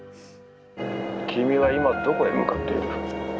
君は、今どこへ向かっている？